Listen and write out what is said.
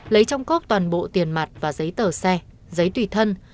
lấy trong cốc toàn bộ tiền mặt và giấy tờ xe giấy tùy thân